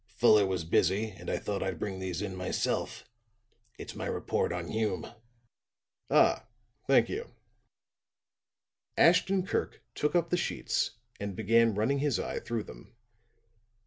"Fuller was busy and I thought I'd bring these in myself. It's my report on Hume." "Ah, thank you." Ashton Kirk took up the sheets and began running his eye through them.